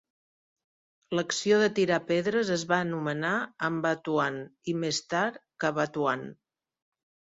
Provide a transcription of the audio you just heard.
L'acció de tirar pedres es va anomenar "ambatuan" i, més tard, "cabatuan".